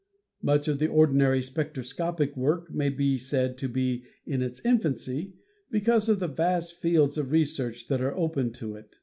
Much of the ordinary spectroscopic work may be said to be in its infancy because of the vast fields of research that are open to it.